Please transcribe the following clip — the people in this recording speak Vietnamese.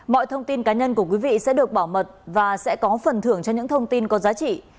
mọi thông tin cá nhân của quý vị sẽ được bảo mật và sẽ có phần thưởng cho những thông tin có giá trị